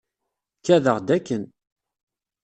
Kadeɣ-d akken.